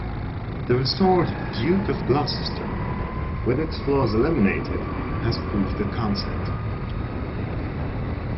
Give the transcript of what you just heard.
The restored "Duke of Gloucester", with its flaws eliminated, has proved the concept.